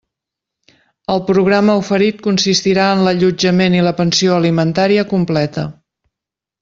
El programa oferit consistirà en l'allotjament i la pensió alimentària completa.